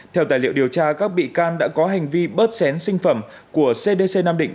theo tài liệu điều tra các bị can đã có hành vi bớt xén sinh phẩm của cdc nam định